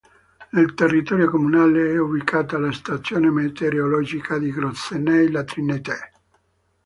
Nel territorio comunale è ubicata la stazione meteorologica di Gressoney-La-Trinité.